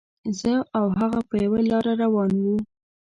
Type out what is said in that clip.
زه او هغه په یوه لاره روان وو.